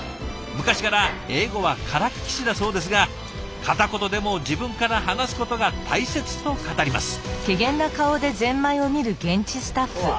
昔から英語はからっきしだそうですが片言でも自分から話すことが大切と語ります。